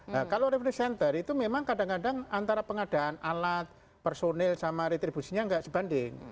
nah kalau revenue center itu memang kadang kadang antara pengadaan alat personil sama retribusinya nggak sebanding